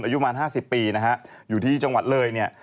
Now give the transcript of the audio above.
อายุมา๕๐ปีอยู่ที่จังหวัดเลย